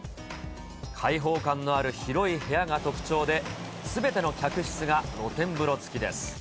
開放感のある広い部屋が特徴で、すべての客室が露天風呂つきです。